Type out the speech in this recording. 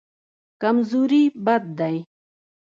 کمزوري بد دی.